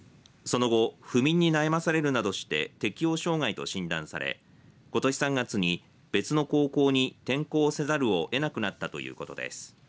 その後、不眠に悩まされるなどとして適応障害と診断されことし３月に別の高校に転校せざるをえなくなったということです。